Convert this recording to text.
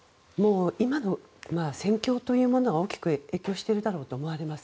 今の戦況というものに大きく影響しているだろうと思います。